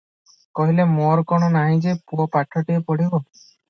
କହିଲେ, "ମୋର କଣ ନାହିଁ ଯେ ପୁଅ ପାଠଟାଏ ପଢ଼ିବ?